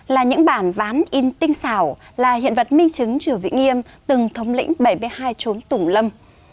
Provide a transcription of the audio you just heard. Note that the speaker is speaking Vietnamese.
là những bản ván in tinh xảo là hiện vật minh chứng chùa vĩnh nghiêm từng thống lĩnh bảy mươi hai trốn tủng lâm